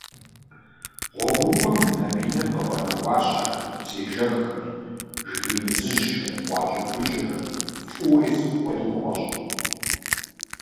Гъуэгурыкӏуэм абы и нэм къыфӏэнэ ӏуащхьэхэр, псыежэххэр, жыгей мэзыжьхэр, къуакӏэбгыкӏэхэр фӏыуэ ицӏыху хуэдэу къыфӏэщӏырт.